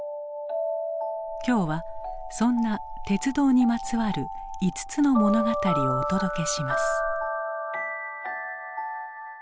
今日はそんな鉄道にまつわる５つの物語をお届けします。